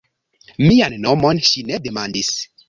Mian nomon ŝi ne demandis.